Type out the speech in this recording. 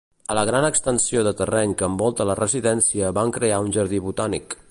A la gran extensió de terreny que envolta la residència van crear un jardí botànic.